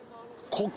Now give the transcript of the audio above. ここ！